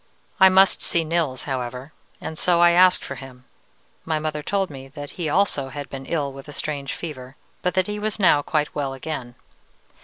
"I must see Nils, however, and so I asked for him. My mother told me that he also had been ill with a strange fever, but that he was now quite well again.